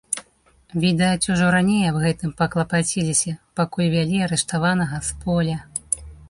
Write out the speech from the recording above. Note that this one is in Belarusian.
Відаць, ужо раней аб гэтым паклапаціліся, пакуль вялі арыштаванага з поля.